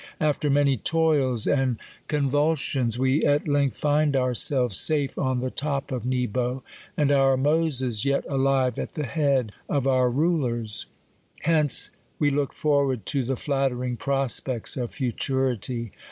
After many toils and con /».ilsions, we at length find ourselves safe on the top of Nebo, and our Moses yet alive at the head of our rulers. Hence we look forward to the flattering prospects of futurity.